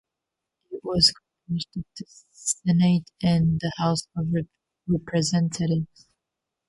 It was composed of the Senate and the House of Representatives.